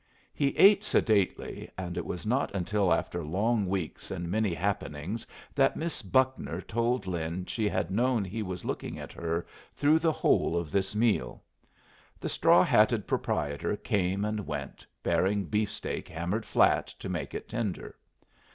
He ate sedately, and it was not until after long weeks and many happenings that Miss Buckner told Lin she had known he was looking at her through the whole of this meal. The straw hatted proprietor came and went, bearing beefsteak hammered flat to make it tender.